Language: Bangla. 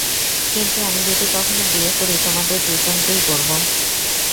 কিন্তু আমি যদি কখনো বিয়ে করি তোমাদের দুজনকেই করবো।